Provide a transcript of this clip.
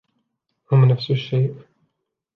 هم نفس الشيء.